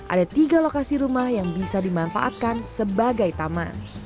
ada tiga lokasi rumah yang bisa dimanfaatkan sebagai taman